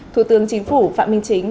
thủ tướng chính phủ phạm minh chính